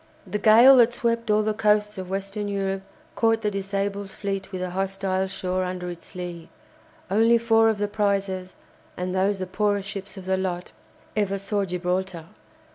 The gale that swept all the coasts of Western Europe caught the disabled fleet with the hostile shore under its lee. Only four of the prizes, and those the poorest ships of the lot, ever saw Gibraltar.